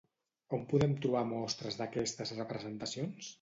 On podem trobar mostres d'aquestes representacions?